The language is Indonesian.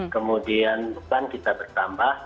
kemudian bukan kita bertambah